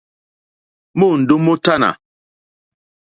Môndó mótánà.